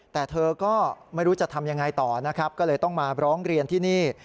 แต่เธอก็ไม่รู้จะทำยังไงต่อนะครับก็เลยต้องมาร้องเรียนที่นี่